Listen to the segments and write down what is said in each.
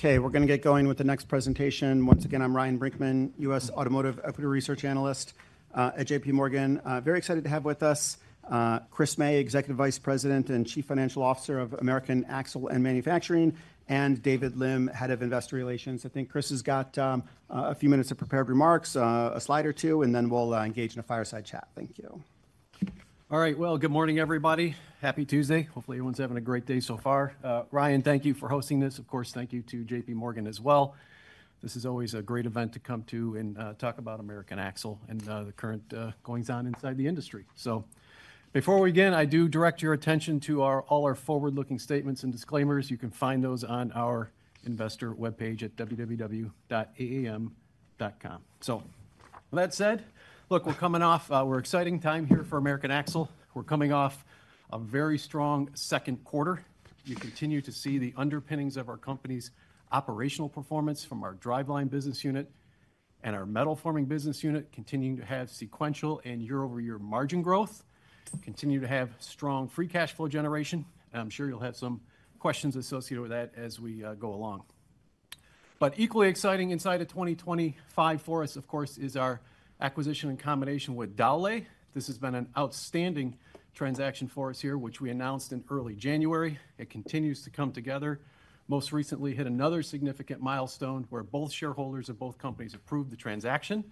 Okay, we're going to get going with the next presentation. Once again, I'm Ryan Brinkman, U.S. Automotive Equity Research Analyst at JPMorgan. Very excited to have with us Chris May, Executive Vice President and Chief Financial Officer of American Axle & Manufacturing, and David Lim, Head of Investor Relations. I think Chris has got a few minutes of prepared remarks, a slide or two, and then we'll engage in a fireside chat. Thank you. All right. Good morning, everybody. Happy Tuesday. Hopefully, everyone's having a great day so far. Ryan, thank you for hosting this. Of course, thank you to JPMorgan as well. This is always a great event to come to and talk about American Axle and the current goings-on inside the industry. Before we begin, I do direct your attention to all our forward-looking statements and disclaimers. You can find those on our investor webpage at www.aam.com. With that said, look, we're coming off an exciting time here for American Axle. We're coming off a very strong second quarter. You continue to see the underpinnings of our company's operational performance from our driveline business unit and our metal forming business unit continuing to have sequential and year-over-year margin growth, continuing to have strong free cash flow generation. I'm sure you'll have some questions associated with that as we go along. Equally exciting inside of 2025 for us, of course, is our acquisition and combination with Dowlais. This has been an outstanding transaction for us here, which we announced in early January. It continues to come together. Most recently, we hit another significant milestone where shareholders of both companies approved the transaction.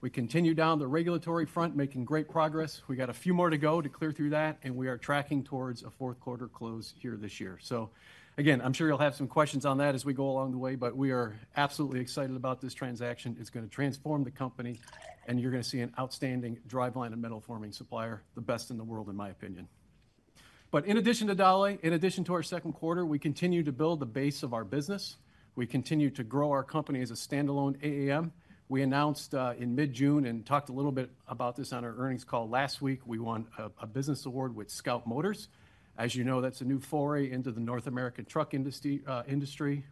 We continue down the regulatory front, making great progress. We have a few more to go to clear through that, and we are tracking towards a fourth quarter close this year. I'm sure you'll have some questions on that as we go along the way. We are absolutely excited about this transaction. It's going to transform the company, and you're going to see an outstanding driveline and metal forming supplier, the best in the world, in my opinion. In addition to Dowlais, in addition to our second quarter, we continue to build the base of our business. We continue to grow our company as a standalone AAM. We announced in mid-June and talked a little bit about this on our earnings call last week. We won a business award with Scout Motors. As you know, that's a new foray into the North American truck industry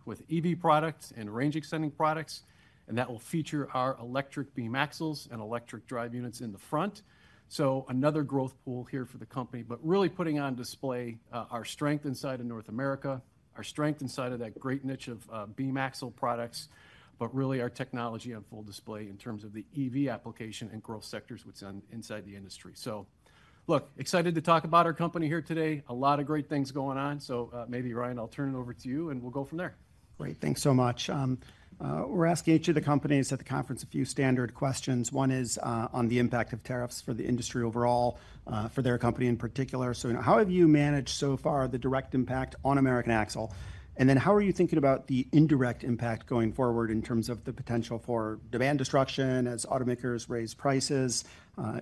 with EV products and range extending products. That will feature our electric beam axles and electric drive units in the front. Another growth pool here for the company, really putting on display our strength inside of North America, our strength inside of that great niche of beam axle products, and really our technology on full display in terms of the EV application and growth sectors, which is inside the industry. Excited to talk about our company here today. A lot of great things going on. Maybe, Ryan, I'll turn it over to you and we'll go from there. Great. Thanks so much. We're asking each of the companies at the conference a few standard questions. One is on the impact of tariffs for the industry overall, for their company in particular. How have you managed so far the direct impact on American Axle? How are you thinking about the indirect impact going forward in terms of the potential for demand destruction as automakers raise prices,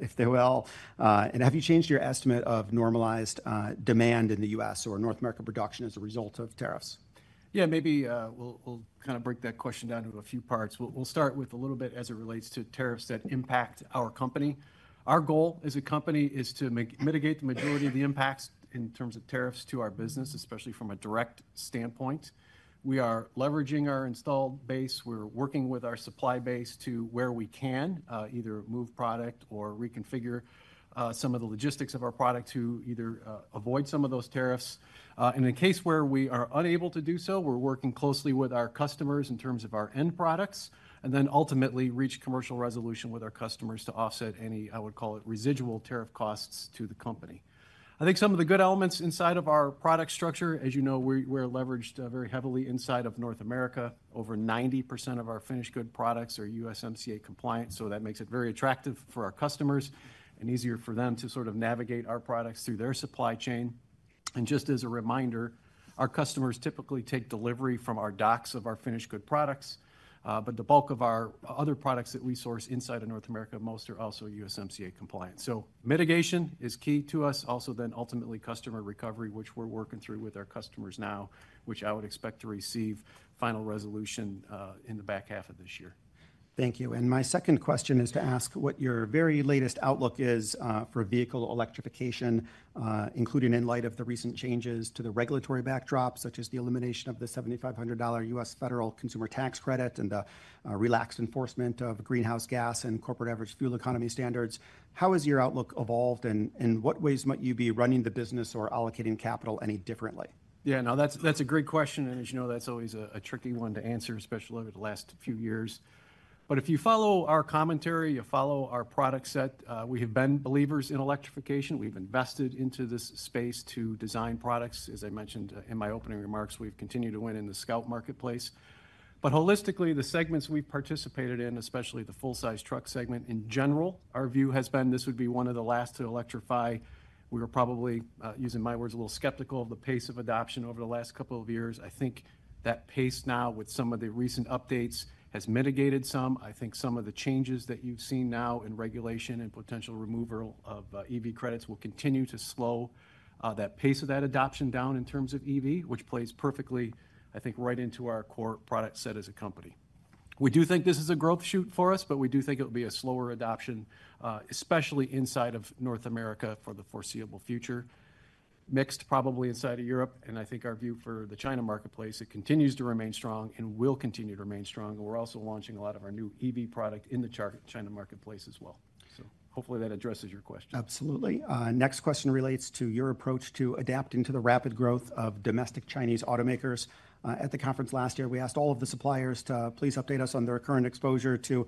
if they will? Have you changed your estimate of normalized demand in the U.S. or North America production as a result of tariffs? Maybe we'll kind of break that question down to a few parts. We'll start with a little bit as it relates to tariffs that impact our company. Our goal as a company is to mitigate the majority of the impacts in terms of tariffs to our business, especially from a direct standpoint. We are leveraging our install base. We're working with our supply base to where we can either move product or reconfigure some of the logistics of our products to either avoid some of those tariffs. In the case where we are unable to do so, we're working closely with our customers in terms of our end products and ultimately reach commercial resolution with our customers to offset any, I would call it, residual tariff costs to the company. I think some of the good elements inside of our product structure, as you know, we're leveraged very heavily inside of North America. Over 90% of our finished good products are USMCA compliant. That makes it very attractive for our customers and easier for them to sort of navigate our products through their supply chain. Just as a reminder, our customers typically take delivery from our docks of our finished good products. The bulk of our other products that we source inside of North America most are also USMCA compliant. Mitigation is key to us. Ultimately, customer recovery, which we're working through with our customers now, which I would expect to receive final resolution in the back half of this year. Thank you. My second question is to ask what your very latest outlook is for vehicle electrification, including in light of the recent changes to the regulatory backdrop, such as the elimination of the $7,500 U.S. federal consumer tax credit and the relaxed enforcement of greenhouse gas and corporate average fuel economy standards. How has your outlook evolved and in what ways might you be running the business or allocating capital any differently? Yeah, that's a great question. As you know, that's always a tricky one to answer, especially over the last few years. If you follow our commentary, you follow our product set, we have been believers in electrification. We've invested into this space to design products. As I mentioned in my opening remarks, we've continued to win in the Scout marketplace. Holistically, the segments we've participated in, especially the full-size truck segment in general, our view has been this would be one of the last to electrify. We were probably, using my words, a little skeptical of the pace of adoption over the last couple of years. I think that pace now with some of the recent updates has mitigated some. I think some of the changes that you've seen now in regulation and potential removal of EV credits will continue to slow that pace of adoption down in terms of EV, which plays perfectly, I think, right into our core product set as a company. We do think this is a growth shoot for us, but we do think it will be a slower adoption, especially inside of North America for the foreseeable future, mixed probably inside of Europe. I think our view for the China marketplace, it continues to remain strong and will continue to remain strong. We're also launching a lot of our new EV product in the China marketplace as well. Hopefully that addresses your question. Absolutely. Next question relates to your approach to adapting to the rapid growth of domestic Chinese automakers. At the conference last year, we asked all of the suppliers to please update us on their current exposure to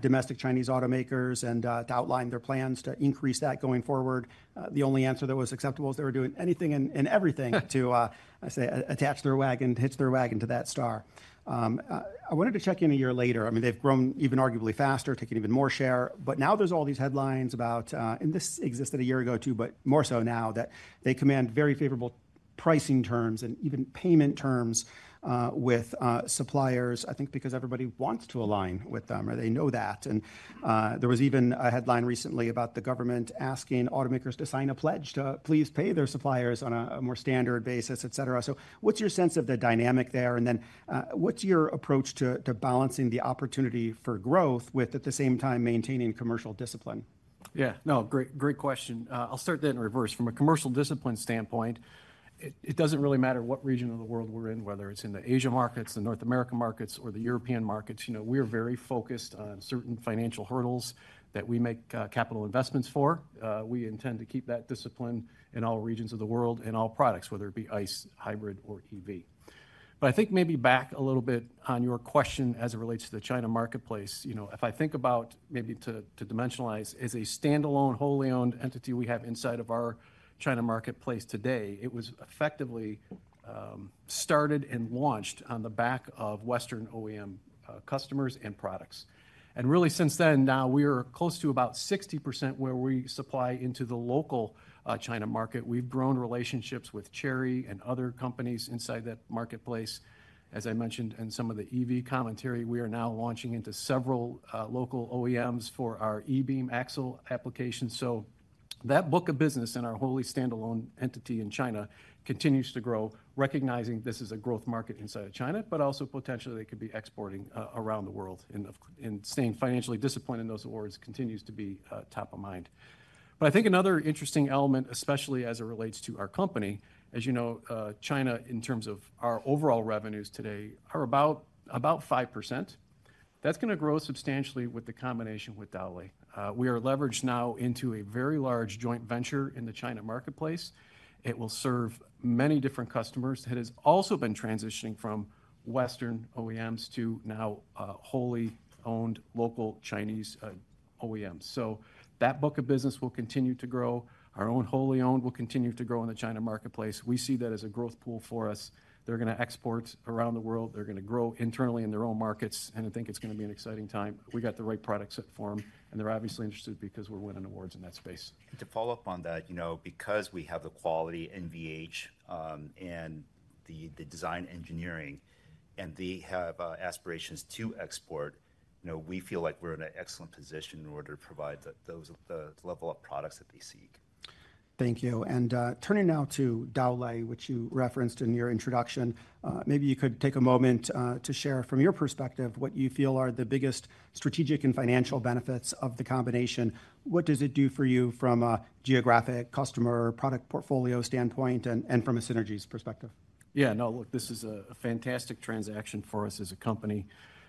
domestic Chinese automakers and to outline their plans to increase that going forward. The only answer that was acceptable is they were doing anything and everything to, I say, attach their wagon, hitch their wagon to that star. I wanted to check in a year later. I mean, they've grown even arguably faster, taking even more share. Now there's all these headlines about, and this existed a year ago too, but more so now that they command very favorable pricing terms and even payment terms with suppliers, I think because everybody wants to align with them. They know that. There was even a headline recently about the government asking automakers to sign a pledge to please pay their suppliers on a more standard basis, et cetera. What's your sense of the dynamic there? What's your approach to balancing the opportunity for growth with, at the same time, maintaining commercial discipline? Yeah, no, great question. I'll start that in reverse. From a commercial discipline standpoint, it doesn't really matter what region of the world we're in, whether it's in the Asia markets, the North American markets, or the European markets. We're very focused on certain financial hurdles that we make capital investments for. We intend to keep that discipline in all regions of the world and all products, whether it be ICE, hybrid, or EV. I think maybe back a little bit on your question as it relates to the China marketplace. If I think about maybe to dimensionalize, as a standalone wholly owned entity we have inside of our China marketplace today, it was effectively started and launched on the back of Western OEM customers and products. Really since then, now we're close to about 60% where we supply into the local China market. We've grown relationships with Chery and other companies inside that marketplace. As I mentioned in some of the EV commentary, we are now launching into several local OEMs for our e-beam axle applications. That book of business and our wholly standalone entity in China continues to grow, recognizing this is a growth market inside of China, but also potentially they could be exporting around the world. Staying financially disciplined in those awards continues to be top of mind. I think another interesting element, especially as it relates to our company, as you know, China in terms of our overall revenues today are about 5%. That's going to grow substantially with the combination with Dowlais. We are leveraged now into a very large joint venture in the China marketplace. It will serve many different customers that have also been transitioning from Western OEMs to now wholly owned local Chinese OEMs. That book of business will continue to grow. Our own wholly owned will continue to grow in the China marketplace. We see that as a growth pool for us. They're going to export around the world. They're going to grow internally in their own markets. I think it's going to be an exciting time. We got the right product set for them. They're obviously interested because we're winning awards in that space. To follow up on that, you know, because we have the quality NVH and the design engineering and they have aspirations to export, you know, we feel like we're in an excellent position in order to provide those levels of products that they seek. Thank you. Turning now to Dowlais, which you referenced in your introduction, maybe you could take a moment to share from your perspective what you feel are the biggest strategic and financial benefits of the combination. What does it do for you from a geographic, customer, product portfolio standpoint and from a synergies perspective? Yeah, no, look, this is a fantastic transaction for us as a company.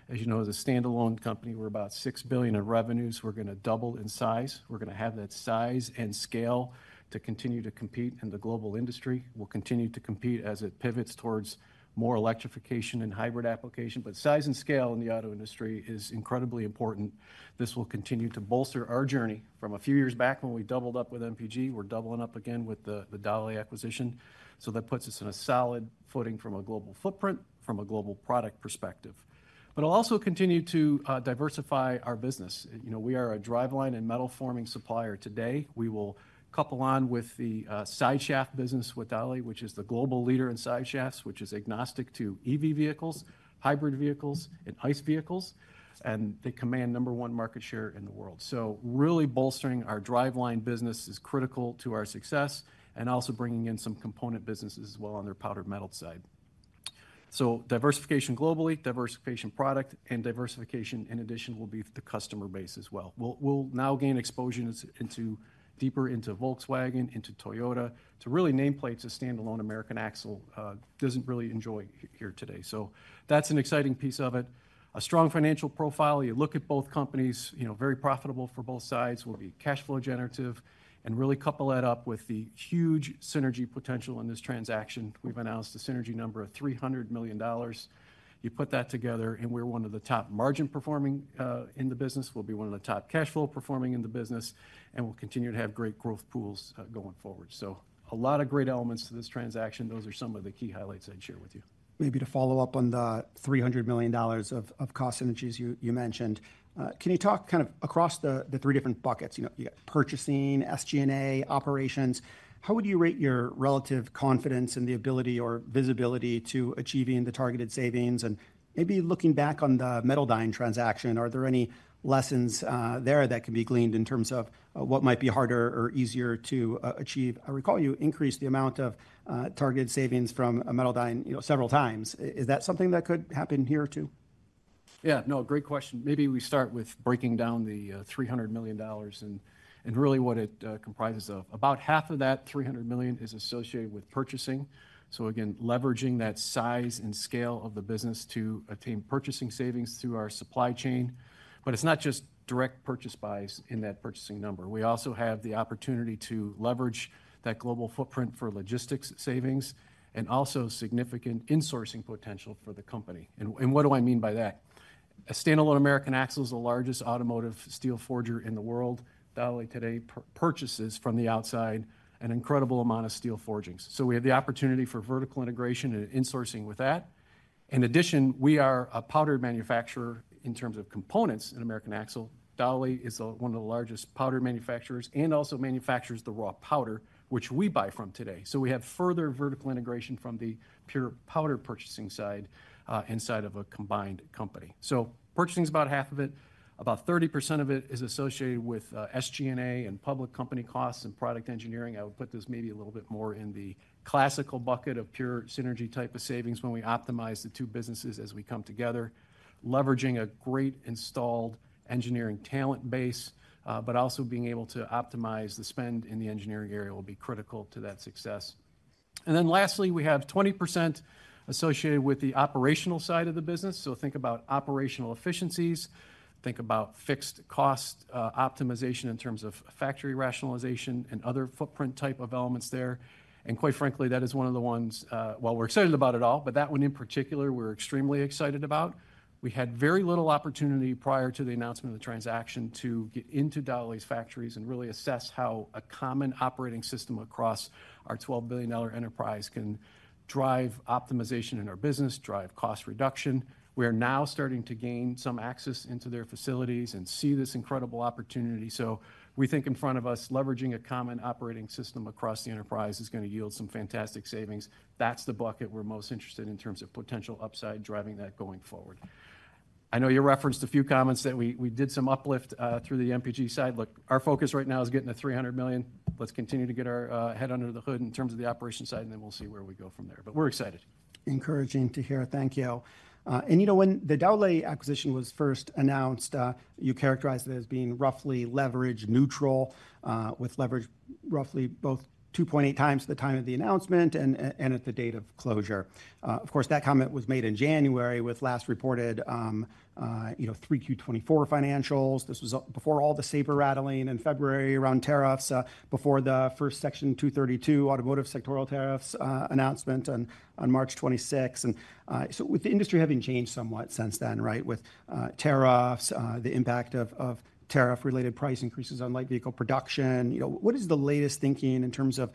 As you know, as a standalone company, we're about $6 billion in revenues. We're going to double in size. We're going to have that size and scale to continue to compete in the global industry. We'll continue to compete as it pivots towards more electrification and hybrid application. Size and scale in the auto industry is incredibly important. This will continue to bolster our journey. From a few years back when we doubled up with MPG, we're doubling up again with the Dowlais acquisition. That puts us in a solid footing from a global footprint, from a global product perspective. It'll also continue to diversify our business. We are a driveline and metal forming supplier today. We will couple on with the sideshaft business with Dowlais, which is the global leader in sideshafts, which is agnostic to EV vehicles, hybrid vehicles, and ICE vehicles. They command number one market share in the world. Really bolstering our driveline business is critical to our success and also bringing in some component businesses as well on their powder metal side. Diversification globally, diversification product, and diversification in addition will be the customer base as well. We'll now gain exposure deeper into Volkswagen, into Toyota, to really nameplates a standalone American Axle doesn't really enjoy here today. That's an exciting piece of it. A strong financial profile. You look at both companies, very profitable for both sides. We'll be cash flow generative and really couple that up with the huge synergy potential in this transaction. We've announced a synergy number of $300 million. You put that together and we're one of the top margin performing in the business. We'll be one of the top cash flow performing in the business and we'll continue to have great growth pools going forward. A lot of great elements to this transaction. Those are some of the key highlights I'd share with you. Maybe to follow up on the $300 million of cost synergies you mentioned, can you talk kind of across the three different buckets? You know, you got purchasing, SG&A, operations. How would you rate your relative confidence in the ability or visibility to achieving the targeted savings? Maybe looking back on the metal dyeing transaction, are there any lessons there that can be gleaned in terms of what might be harder or easier to achieve? I recall you increased the amount of targeted savings from a metal dyeing several times. Is that something that could happen here too? Yeah, no, great question. Maybe we start with breaking down the $300 million and really what it comprises of. About half of that $300 million is associated with purchasing. Again, leveraging that size and scale of the business to attain purchasing savings through our supply chain. It's not just direct purchase buys in that purchasing number. We also have the opportunity to leverage that global footprint for logistics savings and also significant insourcing potential for the company. What do I mean by that? A standalone American Axle is the largest automotive steel forger in the world. Dowlais today purchases from the outside an incredible amount of steel forging. We have the opportunity for vertical integration and insourcing with that. In addition, we are a powder manufacturer in terms of components in American Axle. Dowlais is one of the largest powder manufacturers and also manufactures the raw powder, which we buy from today. We have further vertical integration from the pure powder purchasing side inside of a combined company. Purchasing is about half of it. About 30% of it is associated with SG&A and public company costs and product engineering. I would put this maybe a little bit more in the classical bucket of pure synergy type of savings when we optimize the two businesses as we come together, leveraging a great installed engineering talent base, but also being able to optimize the spend in the engineering area will be critical to that success. Lastly, we have 20% associated with the operational side of the business. Think about operational efficiencies. Think about fixed cost optimization in terms of factory rationalization and other footprint type of elements there. Quite frankly, that is one of the ones, while we're excited about it all, that one in particular we're extremely excited about. We had very little opportunity prior to the announcement of the transaction to get into Dowlais's factories and really assess how a common operating system across our $12 billion enterprise can drive optimization in our business, drive cost reduction. We are now starting to gain some access into their facilities and see this incredible opportunity. We think in front of us, leveraging a common operating system across the enterprise is going to yield some fantastic savings. That's the bucket we're most interested in terms of potential upside driving that going forward. I know you referenced a few comments that we did some uplift through the MPG side. Our focus right now is getting to $300 million. Let's continue to get our head under the hood in terms of the operation side, and then we'll see where we go from there. We're excited. Encouraging to hear. Thank you. When the Dowlais acquisition was first announced, you characterized it as being roughly leverage neutral with leverage roughly both 2.8x at the time of the announcement and at the date of closure. Of course, that comment was made in January with last reported 3Q 2024 financials. This was before all the saber rattling in February around tariffs, before the first Section 232 automotive sectorial tariffs announcement on March 26. With the industry having changed somewhat since then, with tariffs, the impact of tariff-related price increases on light vehicle production, what is the latest thinking in terms of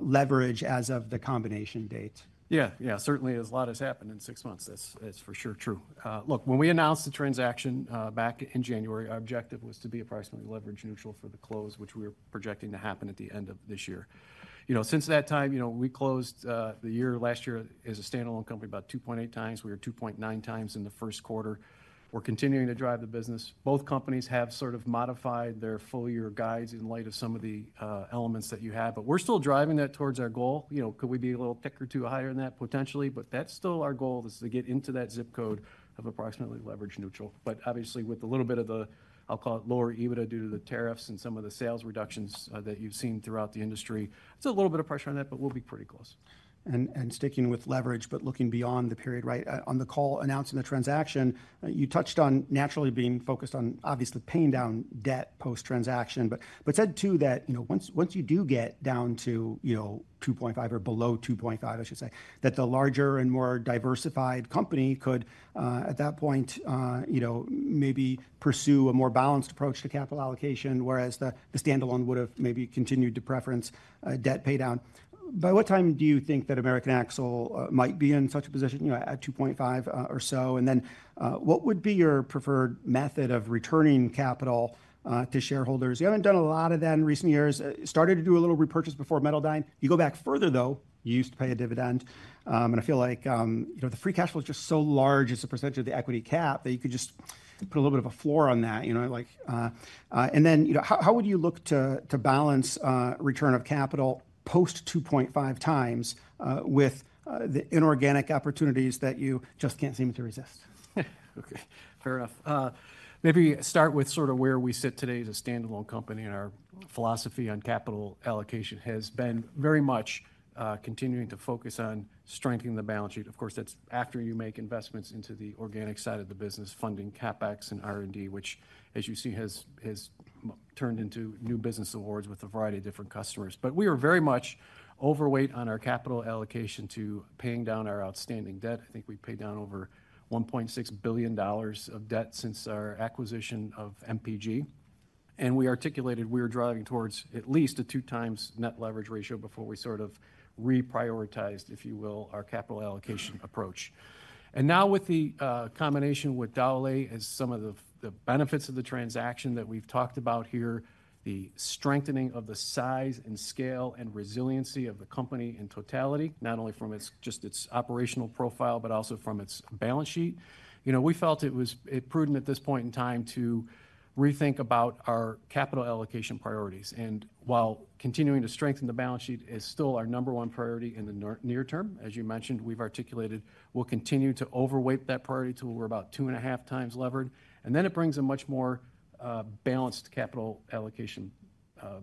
leverage as of the combination date? Yeah, certainly as a lot has happened in six months, that's for sure true. Look, when we announced the transaction back in January, our objective was to be approximately leverage neutral for the close, which we were projecting to happen at the end of this year. Since that time, we closed the year last year as a standalone company about 2.8x. We were 2.5x in the first quarter. We're continuing to drive the business. Both companies have sort of modified their full-year guides in light of some of the elements that you have, but we're still driving that towards our goal. Could we be a little tick or two higher than that potentially, but that's still our goal is to get into that zip code of approximately leverage neutral. Obviously, with a little bit of the, I'll call it lower EBITDA due to the tariffs and some of the sales reductions that you've seen throughout the industry, it's a little bit of pressure on that, but we'll be pretty close. Sticking with leverage, but looking beyond the period, on the call announcing the transaction, you touched on naturally being focused on obviously paying down debt post-transaction, but said too that, once you do get down to 2.5x or below 2.5x, I should say, that the larger and more diversified company could, at that point, maybe pursue a more balanced approach to capital allocation, whereas the standalone would have maybe continued to preference debt paydown. By what time do you think that American Axle might be in such a position, at 2.5x or so? What would be your preferred method of returning capital to shareholders? You haven't done a lot of that in recent years. Started to do a little repurchase before metal dying. You go back further, though. You used to pay a dividend. I feel like the free cash flow is just so large as a % of the equity cap that you could just put a little bit of a floor on that, like, and then, how would you look to balance return of capital post 2.5x with the inorganic opportunities that you just can't seem to resist? Okay, fair enough. Maybe start with sort of where we sit today as a standalone company and our philosophy on capital allocation has been very much continuing to focus on strengthening the balance sheet. Of course, that's after you make investments into the organic side of the business, funding CapEx and R&D, which, as you've seen, has turned into new business awards with a variety of different customers. We are very much overweight on our capital allocation to paying down our outstanding debt. I think we've paid down over $1.6 billion of debt since our acquisition of MPG. We articulated we were driving towards at least a 2x net leverage ratio before we sort of reprioritized, if you will, our capital allocation approach. Now with the combination with Dowlais and some of the benefits of the transaction that we've talked about here, the strengthening of the size and scale and resiliency of the company in totality, not only from just its operational profile, but also from its balance sheet, we felt it was prudent at this point in time to rethink about our capital allocation priorities. While continuing to strengthen the balance sheet is still our number one priority in the near term, as you mentioned, we've articulated we'll continue to overweight that priority to where we're about 2.5x levered. It brings a much more balanced capital allocation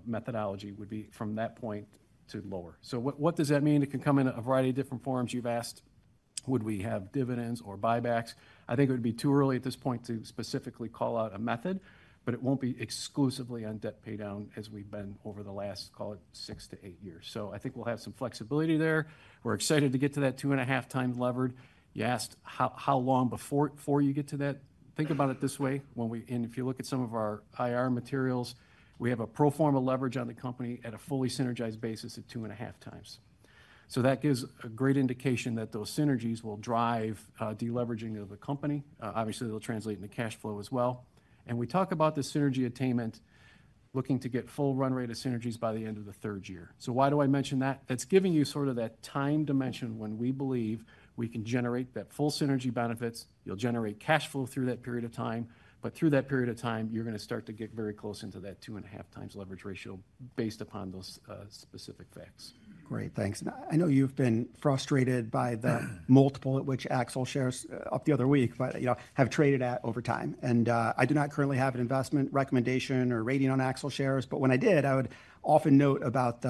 methodology from that point to lower. What does that mean? It can come in a variety of different forms. You've asked, would we have dividends or buybacks? I think it would be too early at this point to specifically call out a method, but it won't be exclusively on debt paydown as we've been over the last, call it, six to eight years. I think we'll have some flexibility there. We're excited to get to that 2.5x levered. You asked how long before you get to that. Think about it this way. When we, and if you look at some of our IR materials, we have a pro forma leverage on the company at a fully synergized basis at 2.5x. That gives a great indication that those synergies will drive deleveraging of the company. Obviously, they'll translate into cash flow as well. We talk about the synergy attainment, looking to get full run rate of synergies by the end of the third year. Why do I mention that? That's giving you sort of that time dimension when we believe we can generate that full synergy benefits. You'll generate cash flow through that period of time. Through that period of time, you're going to start to get very close into that 2.5x leverage ratio based upon those specific facts. Great, thanks. I know you've been frustrated by the multiple at which American Axle shares, up the other week, but you know, have traded at over time. I do not currently have an investment recommendation or rating on Axle shares, but when I did, I would often note about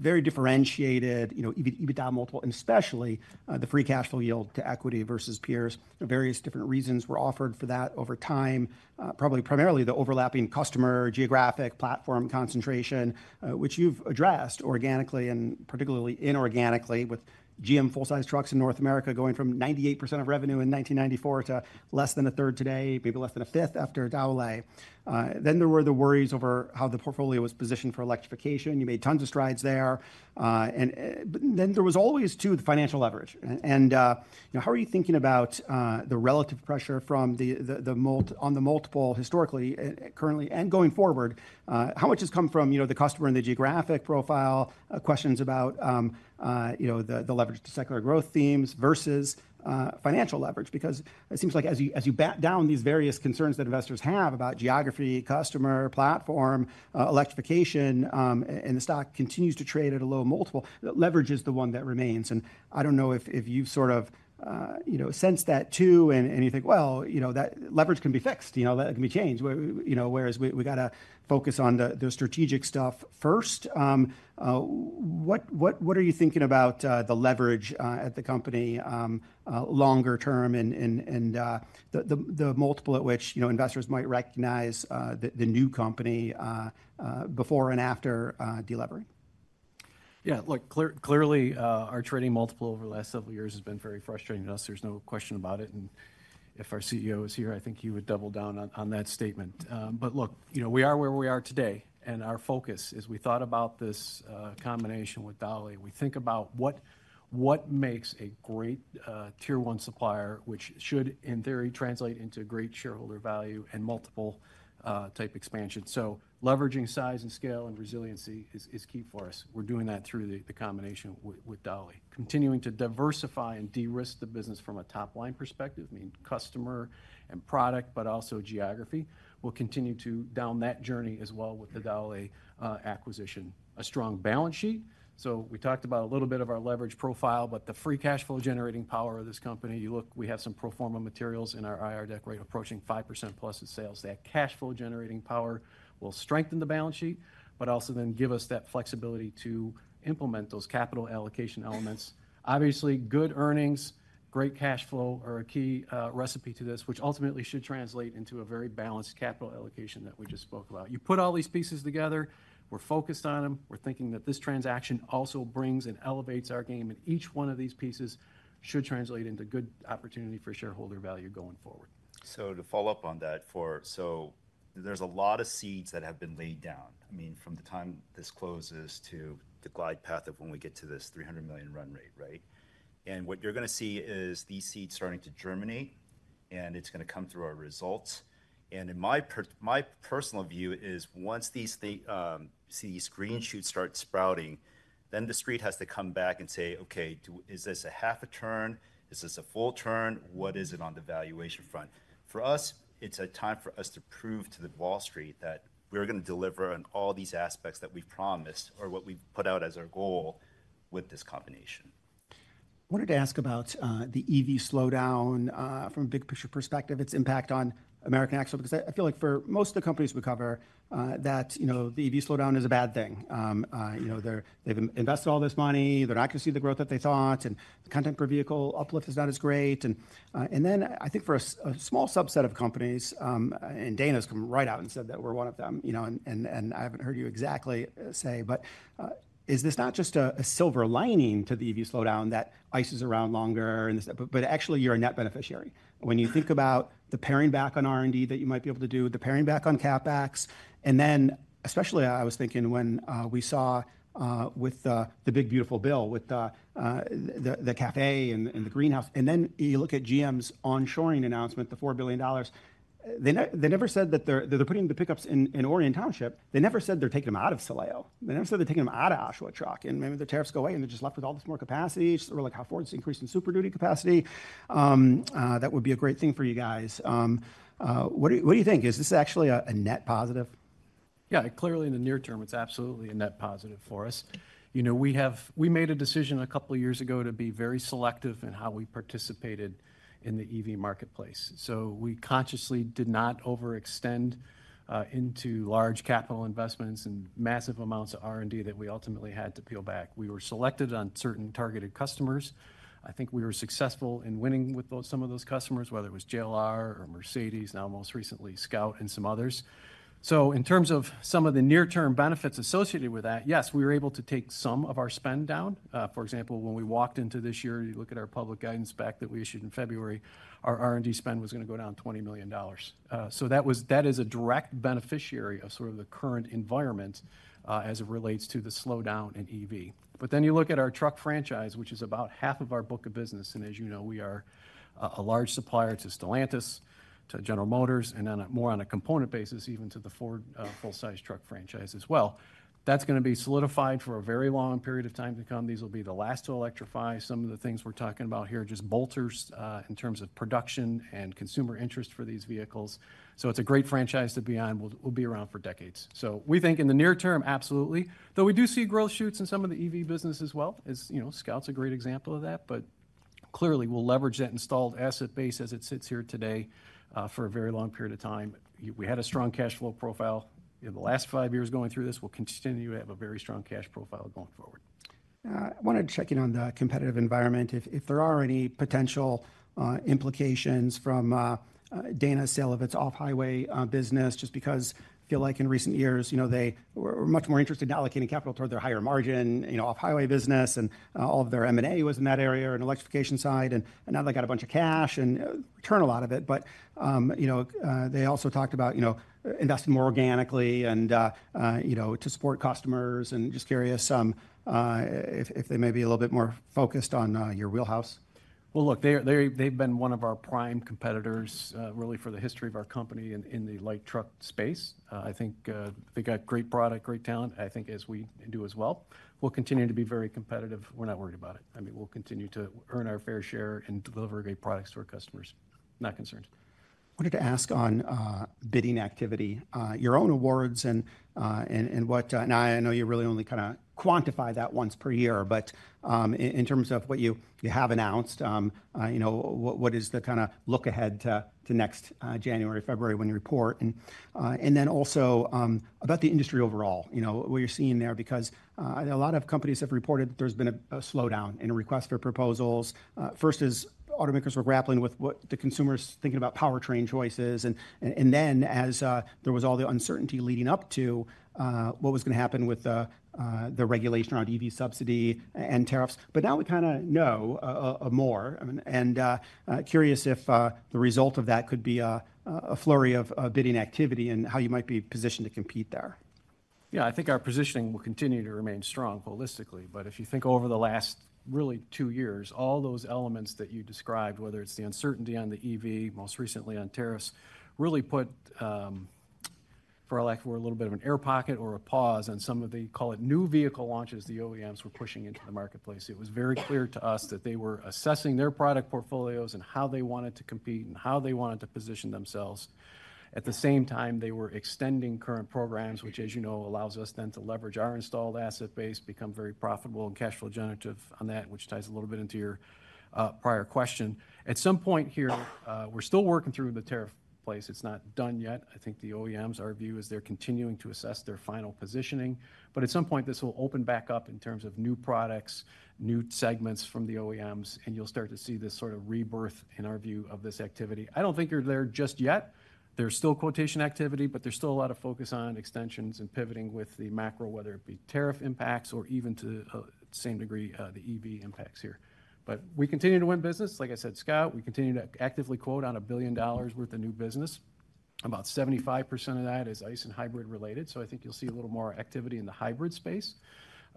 the very differentiated, you know, EBITDA multiple, and especially the free cash flow yield to equity versus peers. Various different reasons were offered for that over time, probably primarily the overlapping customer geographic platform concentration, which you've addressed organically and particularly inorganically with GM full-size trucks in North America going from 98% of revenue in 1994 to less than a third today, maybe less than a fifth after Dowlais. There were the worries over how the portfolio was positioned for electrification. You made tons of strides there. There was always too the financial leverage. How are you thinking about the relative pressure from the on the multiple historically, currently, and going forward? How much has come from, you know, the customer and the geographic profile questions about, you know, the leverage to secular growth themes versus financial leverage? It seems like as you bat down these various concerns that investors have about geography, customer, platform, electrification, and the stock continues to trade at a low multiple, leverage is the one that remains. I don't know if you've sort of, you know, sensed that too, and you think, well, you know, that leverage can be fixed, you know, that can be changed, you know, whereas we got to focus on the strategic stuff first. What are you thinking about the leverage at the company longer term and the multiple at which, you know, investors might recognize the new company before and after deleveraging? Yeah, look, clearly our trading multiple over the last several years has been very frustrating to us. There's no question about it. If our CEO is here, I think he would double down on that statement. We are where we are today. Our focus, as we thought about this combination with Dowlais, we think about what makes a great tier one supplier, which should in theory translate into great shareholder value and multiple type expansion. Leveraging size and scale and resiliency is key for us. We're doing that through the combination with Dowlais. Continuing to diversify and de-risk the business from a top line perspective, meaning customer and product, but also geography. We'll continue down that journey as well with the Dowlais acquisition. A strong balance sheet. We talked about a little bit of our leverage profile, but the free cash flow generating power of this company, you look, we have some pro forma materials in our IR deck right approaching 5%+ in sales. That cash flow generating power will strengthen the balance sheet, but also then give us that flexibility to implement those capital allocation elements. Obviously, good earnings, great cash flow are a key recipe to this, which ultimately should translate into a very balanced capital allocation that we just spoke about. You put all these pieces together, we're focused on them. We're thinking that this transaction also brings and elevates our game, and each one of these pieces should translate into good opportunity for shareholder value going forward. To follow up on that, there's a lot of seeds that have been laid down. I mean, from the time this closes to the glide path of when we get to this $300 million run rate, right? What you're going to see is these seeds starting to germinate, and it's going to come through our results. In my personal view, once these seeds start sprouting, then the street has to come back and say, okay, is this a half a turn? Is this a full turn? What is it on the valuation front? For us, it's a time for us to prove to Wall Street that we're going to deliver on all these aspects that we've promised or what we've put out as our goal with this combination. I wanted to ask about the EV slowdown from a big picture perspective, its impact on American Axle, because I feel like for most of the companies we cover that, you know, the EV slowdown is a bad thing. You know, they've invested all this money, they're not going to see the growth that they thought, and the content per vehicle uplift is not as great. I think for a small subset of companies, and Dana's come right out and said that we're one of them, you know, and I haven't heard you exactly say, but is this not just a silver lining to the EV slowdown that ICE is around longer? Actually, you're a net beneficiary. When you think about the paring back on R&D that you might be able to do, the paring back on CapEx, and then especially I was thinking when we saw with the big beautiful bill with the CAFE and the greenhouse, and then you look at GM's onshoring announcement, the $4 billion, they never said that they're putting the pickups in Orion Township. They never said they're taking them out of Silao. They never said they're taking them out of Oshawa Truck. Maybe the tariffs go away and they're just left with all this more capacity. We're like, how forward to increasing Super Duty capacity. That would be a great thing for you guys. What do you think? Is this actually a net positive? Yeah, clearly in the near term, it's absolutely a net positive for us. You know, we made a decision a couple of years ago to be very selective in how we participated in the EV marketplace. We consciously did not overextend into large capital investments and massive amounts of R&D that we ultimately had to peel back. We were selected on certain targeted customers. I think we were successful in winning with some of those customers, whether it was JLR or Mercedes, now most recently Scout and some others. In terms of some of the near-term benefits associated with that, yes, we were able to take some of our spend down. For example, when we walked into this year, you look at our public guidance back that we issued in February, our R&D spend was going to go down $20 million. That is a direct beneficiary of sort of the current environment as it relates to the slowdown in EV. You look at our truck franchise, which is about half of our book of business. As you know, we are a large supplier to Stellantis, to General Motors, and then more on a component basis, even to the Ford full-size truck franchise as well. That's going to be solidified for a very long period of time to come. These will be the last to electrify. Some of the things we're talking about here just bolster in terms of production and consumer interest for these vehicles. It's a great franchise to be on. We'll be around for decades. We think in the near term, absolutely. We do see growth shoots in some of the EV business as well, as you know, Scout's a great example of that. Clearly, we'll leverage that installed asset base as it sits here today for a very long period of time. We had a strong cash flow profile in the last five years going through this. We'll continue to have a very strong cash profile going forward. I wanted to check in on the competitive environment if there are any potential implications from Dana's sale of its off-highway business, just because I feel like in recent years, you know, they were much more interested in allocating capital toward their higher margin, you know, off-highway business, and all of their M&A was in that area and electrification side. Now they got a bunch of cash and return a lot of it. You know, they also talked about, you know, investing more organically and, you know, to support customers and just curious if they may be a little bit more focused on your wheelhouse. They've been one of our prime competitors really for the history of our company in the light truck space. I think they got great product, great talent. I think as we do as well, we'll continue to be very competitive. We're not worried about it. We'll continue to earn our fair share and deliver great products to our customers. Not concerned. I wanted to ask on bidding activity, your own awards and what, and I know you really only kind of quantify that once per year, but in terms of what you have announced, you know, what is the kind of look ahead to next January, February when you report? Also, about the industry overall, you know, what you're seeing there, because a lot of companies have reported that there's been a slowdown in requests for proposals. First, as automakers were grappling with what the consumers thinking about powertrain choices, and then as there was all the uncertainty leading up to what was going to happen with the regulation on EV subsidy and tariffs. Now we kind of know more. Curious if the result of that could be a flurry of bidding activity and how you might be positioned to compete there. Yeah, I think our positioning will continue to remain strong holistically. If you think over the last really two years, all those elements that you described, whether it's the uncertainty on the EV, most recently on tariffs, really put, for a lack of a word, a little bit of an air pocket or a pause on some of the, call it, new vehicle launches the OEMs were pushing into the marketplace. It was very clear to us that they were assessing their product portfolios and how they wanted to compete and how they wanted to position themselves. At the same time, they were extending current programs, which, as you know, allows us then to leverage our installed asset base, become very profitable and cash flow generative on that, which ties a little bit into your prior question. At some point here, we're still working through the tariff place. It's not done yet. I think the OEMs, our view is they're continuing to assess their final positioning. At some point, this will open back up in terms of new products, new segments from the OEMs, and you'll start to see this sort of rebirth in our view of this activity. I don't think they're there just yet. There's still quotation activity, but there's still a lot of focus on extensions and pivoting with the macro, whether it be tariff impacts or even to the same degree, the EV impacts here. We continue to win business. Like I said, Scout, we continue to actively quote on a billion dollars' worth of new business. About 75% of that is ICE and hybrid related. I think you'll see a little more activity in the hybrid space.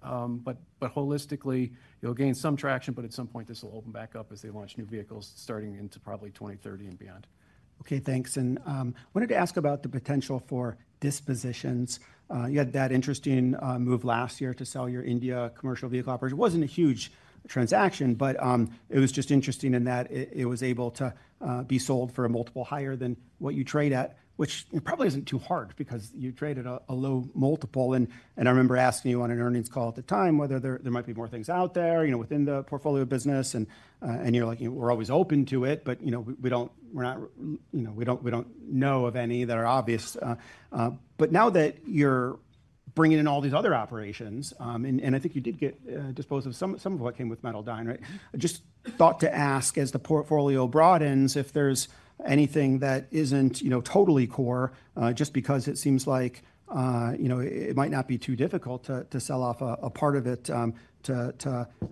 Holistically, you'll gain some traction, but at some point, this will open back up as they launch new vehicles starting into probably 2030 and beyond. Okay, thanks. I wanted to ask about the potential for dispositions. You had that interesting move last year to sell your India commercial vehicle operation. It wasn't a huge transaction, but it was just interesting in that it was able to be sold for a multiple higher than what you trade at, which probably isn't too hard because you trade at a low multiple. I remember asking you on an earnings call at the time whether there might be more things out there within the portfolio business. You were like, you know, we're always open to it, but we don't, we're not, we don't know of any that are obvious. Now that you're bringing in all these other operations, and I think you did get disposed of some of what came with metal dying, right? I just thought to ask as the portfolio broadens if there's anything that isn't totally core, just because it seems like it might not be too difficult to sell off a part of it in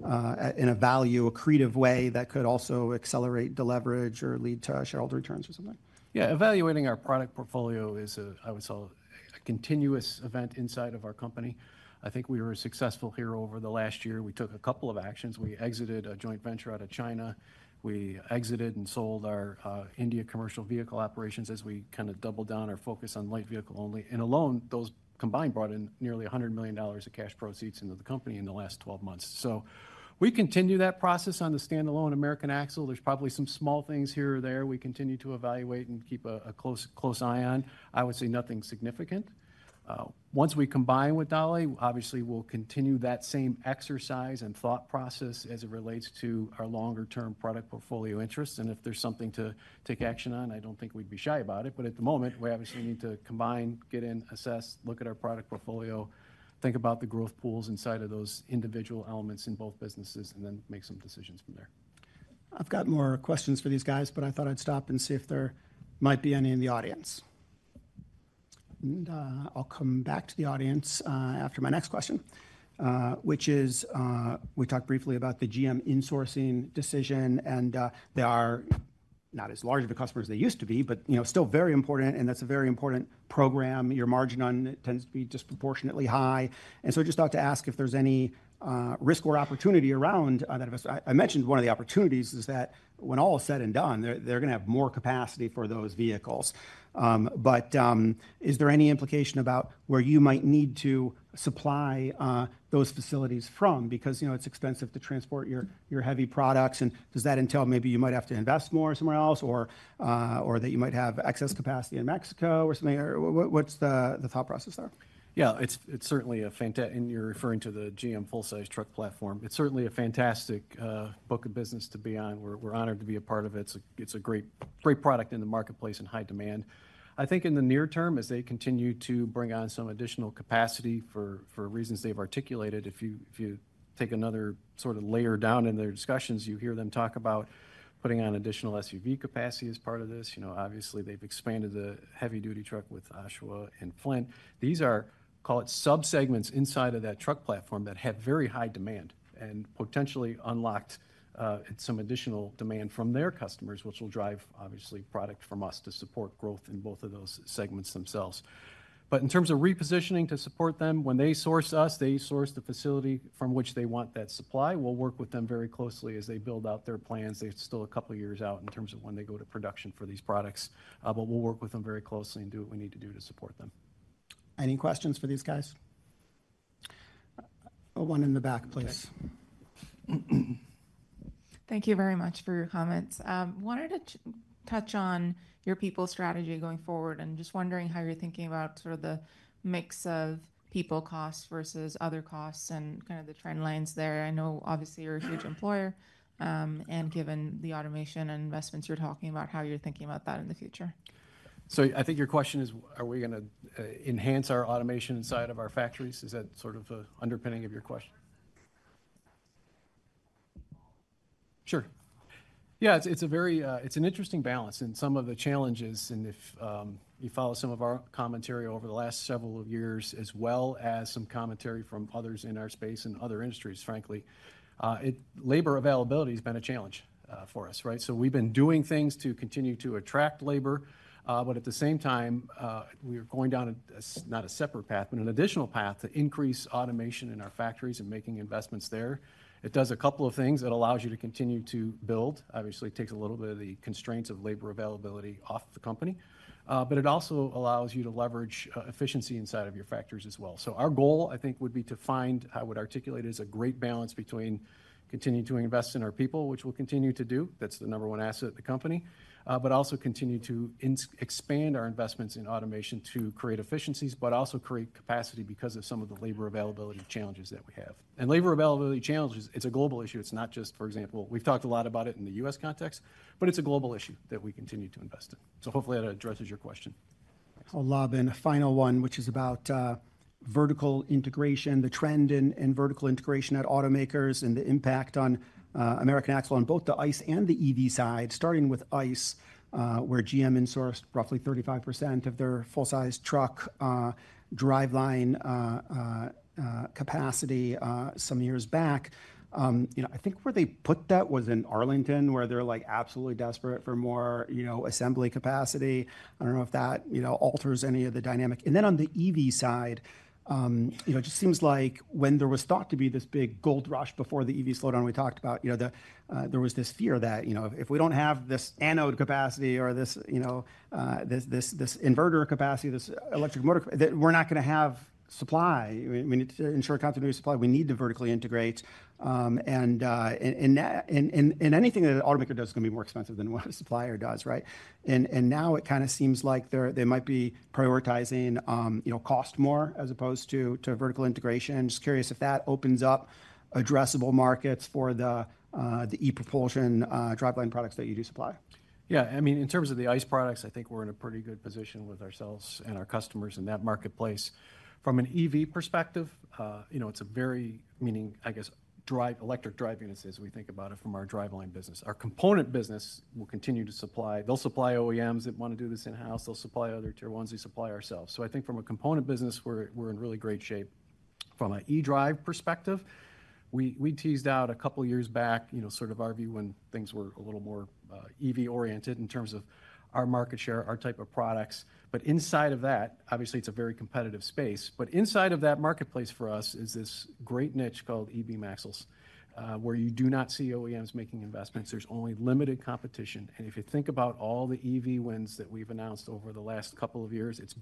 a value-accretive way that could also accelerate the leverage or lead to shareholder returns or something. Yeah, evaluating our product portfolio is, I would say, a continuous event inside of our company. I think we were successful here over the last year. We took a couple of actions. We exited a joint venture out of China. We exited and sold our India commercial vehicle operations as we kind of doubled down our focus on light vehicle only. Those combined brought in nearly $100 million of cash proceeds into the company in the last 12 months. We continue that process on the standalone American Axle. There's probably some small things here or there we continue to evaluate and keep a close eye on. I would say nothing significant. Once we combine with Dowlais, obviously we'll continue that same exercise and thought process as it relates to our longer-term product portfolio interests. If there's something to take action on, I don't think we'd be shy about it. At the moment, we obviously need to combine, get in, assess, look at our product portfolio, think about the growth pools inside of those individual elements in both businesses, and then make some decisions from there. I've got more questions for these guys, but I thought I'd stop and see if there might be any in the audience. I'll come back to the audience after my next question, which is, we talked briefly about the GM insourcing decision, and they are not as large of a customer as they used to be, but you know, still very important. That's a very important program. Your margin on it tends to be disproportionately high. I just thought to ask if there's any risk or opportunity around that. I mentioned one of the opportunities is that when all is said and done, they're going to have more capacity for those vehicles. Is there any implication about where you might need to supply those facilities from? You know, it's expensive to transport your heavy products. Does that entail maybe you might have to invest more somewhere else or that you might have excess capacity in Mexico or something? What's the thought process there? Yeah, it's certainly fantastic, and you're referring to the GM full-size truck platform. It's certainly a fantastic book of business to be on. We're honored to be a part of it. It's a great product in the marketplace and high demand. I think in the near term, as they continue to bring on some additional capacity for reasons they've articulated, if you take another sort of layer down in their discussions, you hear them talk about putting on additional SUV capacity as part of this. Obviously, they've expanded the heavy-duty truck with Oshawa and Flint. These are, call it, sub-segments inside of that truck platform that have very high demand and potentially unlock some additional demand from their customers, which will drive obviously product from us to support growth in both of those segments themselves. In terms of repositioning to support them, when they source us, they source the facility from which they want that supply. We'll work with them very closely as they build out their plans. They're still a couple of years out in terms of when they go to production for these products. We'll work with them very closely and do what we need to do to support them. Any questions for these guys? Oh, one in the back, please. Thank you very much for your comments. I wanted to touch on your people strategy going forward and just wondering how you're thinking about sort of the mix of people costs versus other costs and kind of the trend lines there. I know obviously you're a huge employer. Given the automation and investments you're talking about, how you're thinking about that in the future. I think your question is, are we going to enhance our automation side of our factories? Is that sort of the underpinning of your question? Sure. Yeah, it's a very, it's an interesting balance. Some of the challenges, and if you follow some of our commentary over the last several years, as well as some commentary from others in our space and other industries, frankly, labor availability has been a challenge for us, right? We've been doing things to continue to attract labor. At the same time, we are going down not a separate path, but an additional path to increase automation in our factories and making investments there. It does a couple of things that allow you to continue to build. Obviously, it takes a little bit of the constraints of labor availability off the company. It also allows you to leverage efficiency inside of your factories as well. Our goal, I think, would be to find, I would articulate it as a great balance between continuing to invest in our people, which we'll continue to do. That's the number one asset of the company. We will also continue to expand our investments in automation to create efficiencies, but also create capacity because of some of the labor availability challenges that we have. Labor availability challenges, it's a global issue. It's not just, for example, we've talked a lot about it in the U.S. context, but it's a global issue that we continue to invest in. Hopefully that addresses your question. I'll lob in a final one, which is about vertical integration, the trend in vertical integration at automakers, and the impact on American Axle on both the ICE and the EV side, starting with ICE, where GM insourced roughly 35% of their full-size truck driveline capacity some years back. I think where they put that was in Arlington, where they're absolutely desperate for more assembly capacity. I don't know if that alters any of the dynamic. On the EV side, it just seems like when there was thought to be this big gold rush before the EV slowdown we talked about, there was this fear that if we don't have this anode capacity or this inverter capacity, this electric motor, that we're not going to have supply. We need to ensure continuous supply. We need to vertically integrate. Anything that an automaker does is going to be more expensive than what a supplier does, right? Now it kind of seems like they might be prioritizing cost more as opposed to vertical integration. Just curious if that opens up addressable markets for the e-propulsion driveline products that you do supply. Yeah, I mean, in terms of the ICE products, I think we're in a pretty good position with ourselves and our customers in that marketplace. From an EV perspective, it's a very, meaning, I guess, electric driving us as we think about it from our driveline business. Our component business will continue to supply. They'll supply OEMs that want to do this in-house. They'll supply other tier ones we supply ourselves. I think from a component business, we're in really great shape. From an e-drive perspective, we teased out a couple of years back, sort of our view when things were a little more EV-oriented in terms of our market share, our type of products. Inside of that, obviously, it's a very competitive space. Inside of that marketplace for us is this great niche called EV Maxles, where you do not see OEMs making investments. There's only limited competition. If you think about all the EV wins that we've announced over the last couple of years, it's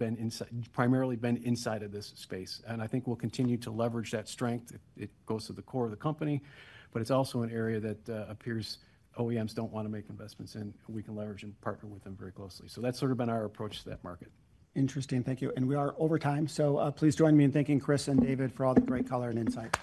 primarily been inside of this space. I think we'll continue to leverage that strength. It goes to the core of the company. It's also an area that appears OEMs don't want to make investments in. We can leverage and partner with them very closely. That's sort of been our approach to that market. Interesting. Thank you. We are over time. Please join me in thanking Chris and David for all the great color and insight.